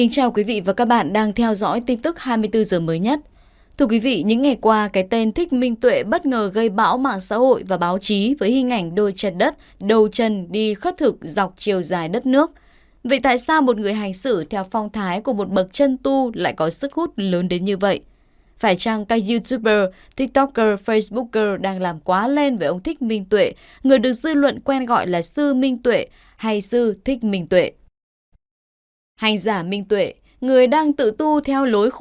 các bạn hãy đăng ký kênh để ủng hộ kênh của chúng mình nhé